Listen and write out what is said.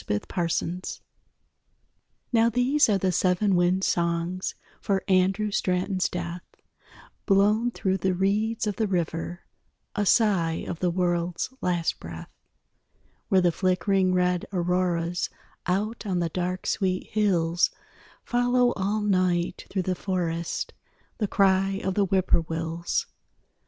SEVEN WIND SONGS _Now these are the seven wind songs For Andrew Straton's death, Blown through the reeds of the river, A sigh of the world's last breath,_ _Where the flickering red auroras Out on the dark sweet hills Follow all night through the forest The cry of the whip poor wills.